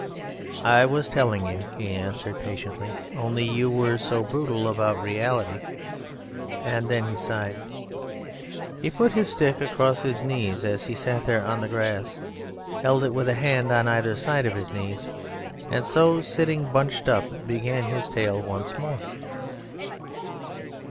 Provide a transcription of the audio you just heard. "I was telling you," he answered patiently, "only you were so brutal about reality." And then he sighed. He put his stick across his knees as he sat there on the grass, held it with a hand on either side of his knees, and so sitting bunched up began his tale once more.